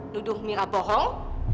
duduh mira bohong